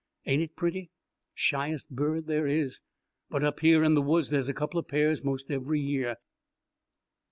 Ain't it pretty? Shyest bird there is, but up here in the woods there's a couple pairs 'most every year.